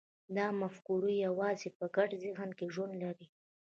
دا مفکورې یوازې په ګډ ذهن کې ژوند لري.